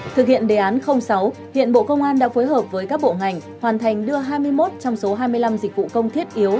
thực hiện đề án sáu hiện bộ công an đã phối hợp với các bộ ngành hoàn thành đưa hai mươi một trong số hai mươi năm dịch vụ công thiết yếu